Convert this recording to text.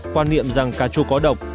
quan niệm rằng cà chua có độc